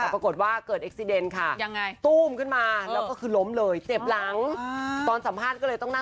กูหานะคะถ้าเล่นมากจะเป็นยังไงไปฟังเลยค่ะ